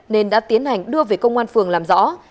nên đã tiến hành đưa về công an phường làm rõ